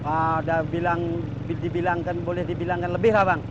ada dibilangkan boleh dibilangkan lebih lah bang